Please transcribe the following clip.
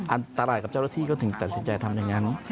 อันตรายกับเจ้าหน้าที่ก็ถึงตัดสินใจทำอย่างนั้น